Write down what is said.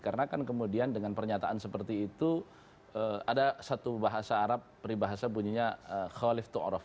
karena kan kemudian dengan pernyataan seperti itu ada satu bahasa arab pribahasa bunyinya khalif to'orof